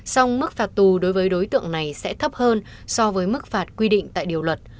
song mức phạt tù đối với đối tượng này sẽ thấp hơn so với mức phạt quy định tại điều luật